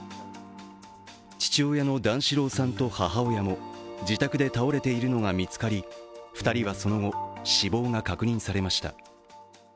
父親の段四郎さんと母親も自宅で倒れているのが見つかり２人は、その後、死亡が確認されました。